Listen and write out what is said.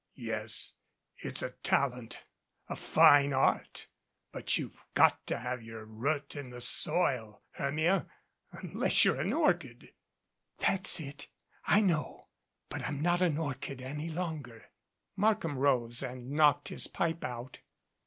"Yes, it's a talent, a fine art; but you've got to have your root in the soil, Hermia unless you're an orchid." "That's it, I know. But I'm not an orchid any longer." Markham rose and knocked his pipe out.